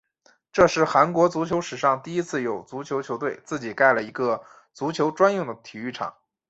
这是韩国足球史上第一次有足球球队自己盖了一个足球专用的体育场。